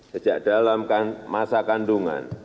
sejak dalam masa kandungan